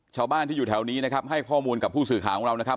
ชาวบ้านที่อยู่แถวนี้นะครับให้ข้อมูลกับผู้สื่อข่าวของเรานะครับ